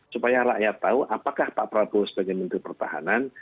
supaya rakyat tahu apakah pak prabowo sebagai menteri pertahanan